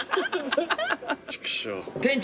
店長